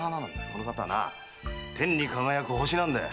この方は天に輝く星なんだよ。